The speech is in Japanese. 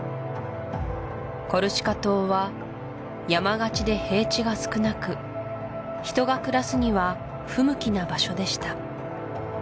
コルシカ島は山がちで平地が少なく人が暮らすには不向きな場所でした